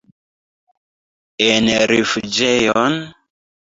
En rifuĝejon?